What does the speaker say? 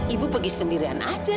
ibu pergi sendirian aja